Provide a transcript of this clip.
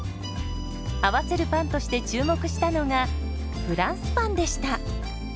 合わせるパンとして注目したのがフランスパンでした。